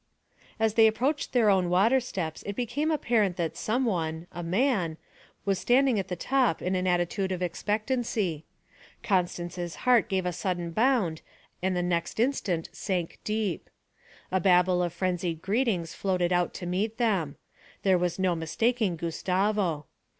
As they approached their own water steps it became apparent that some one a man was standing at the top in an attitude of expectancy. Constance's heart gave a sudden bound and the next instant sank deep. A babble of frenzied greetings floated out to meet them; there was no mistaking Gustavo.